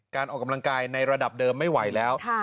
ออกกำลังกายในระดับเดิมไม่ไหวแล้ว